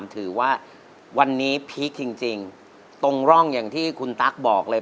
ถือว่าวันนี้พีคจริงตรงร่องอย่างที่คุณตั๊กบอกเลย